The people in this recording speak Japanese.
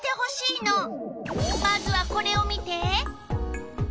まずはこれを見て！